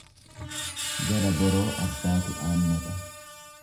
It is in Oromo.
Gara boroo abbaatu aannata.